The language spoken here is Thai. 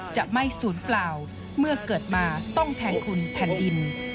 จะไม่ศูนย์เปล่าเมื่อเกิดมาต้องแทนคุณแผ่นดิน